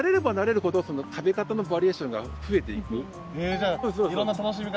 じゃあいろんな楽しみ方。